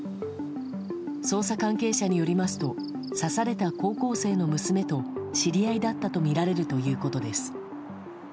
捜査関係者によりますと刺された高校生の娘と知り合いだったとみられるということです。